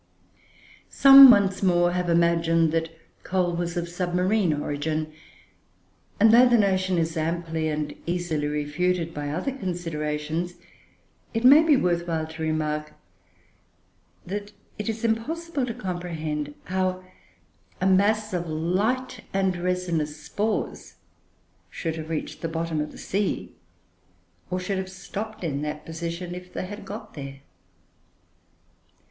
Some, once more, have imagined that coal was of submarine origin; and though the notion is amply and easily refuted by other considerations, it may be worth while to remark, that it is impossible to comprehend how a mass of light and resinous spores should have reached the bottom of the sea, or should have stopped in that position if they had got there.